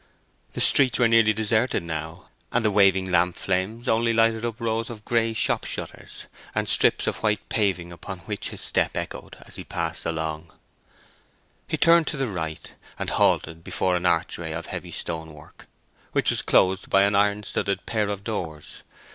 The streets were nearly deserted now, and the waving lamp flames only lighted up rows of grey shop shutters, and strips of white paving upon which his step echoed as his passed along. He turned to the right, and halted before an archway of heavy stonework, which was closed by an iron studded pair of doors.